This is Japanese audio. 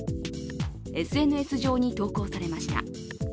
ＳＮＳ上に投稿されました。